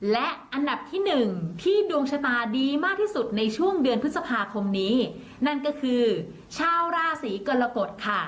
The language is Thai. และอันดับที่หนึ่งที่ดวงชะตาดีมากที่สุดในช่วงเดือนพฤษภาคมนี้นั่นก็คือชาวราศีกรกฎค่ะ